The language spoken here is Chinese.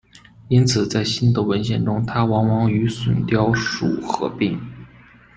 因此在新的文献中它往往与隼雕属合并。